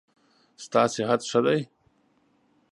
ستا صحت ښه دی؟